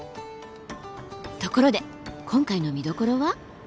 ところで今回の見どころは？